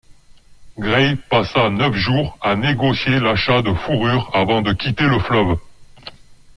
Gray passa neuf jours à négocier l'achat de fourrures avant de quitter le fleuve.